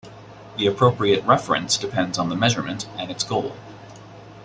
The appropriate "reference" depends on the measurement and its goal.